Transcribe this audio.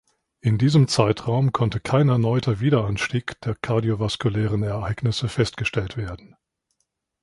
In diesem Zeitraum konnte kein erneuter Wiederanstieg der kardiovaskulären Ereignisse festgestellt werden.